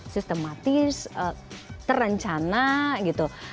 sistematis terencana gitu